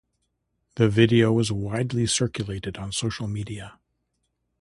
The video was widely circulated on social media.